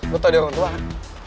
lo tak ada orang tua kan